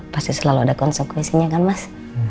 pasti selalu ada konsekuensinya kan mas